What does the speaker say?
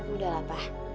udah lah papa